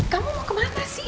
kamu mau kemana sih